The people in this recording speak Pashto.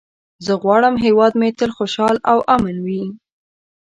زه غواړم هېواد مې تل خوشحال او امن وي.